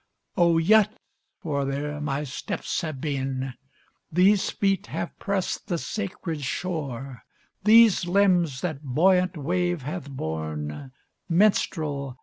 Oh! yet for there my steps have been; These feet have pressed the sacred shore; These limbs that buoyant wave hath borne Minstrel!